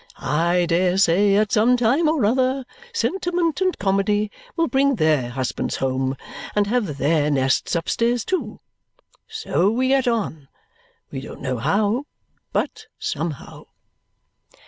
I dare say at some time or other Sentiment and Comedy will bring THEIR husbands home and have THEIR nests upstairs too. So we get on, we don't know how, but somehow."